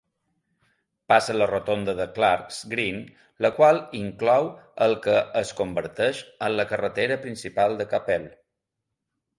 Passa la rotonda de Clark's Green, la qual inclou el que es converteix en la carretera principal de Capel.